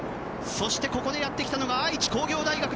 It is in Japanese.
ここでやってきたのが愛知工業大学。